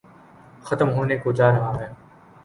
ختم ہونے کوجارہاہے۔